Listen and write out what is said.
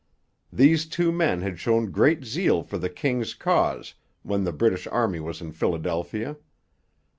These two men had shown great zeal for the king's cause when the British Army was in Philadelphia.